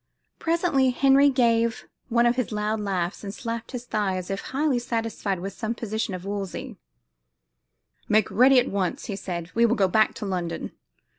Presently Henry gave one of his loud laughs, and slapped his thigh as if highly satisfied with some proposition of Wolsey's. "Make ready at once," he said. "We will go back to London."